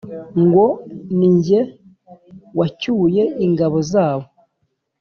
ngo ni jye wacyuye ingabo zabo